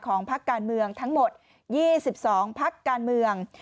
พักการเมืองทั้งหมด๒๒พักการเมือง